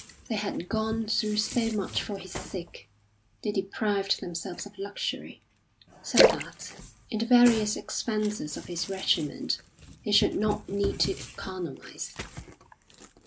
They had gone through so much for his sake; they deprived themselves of luxury, so that, in the various expenses of his regiment, he should not need to economise.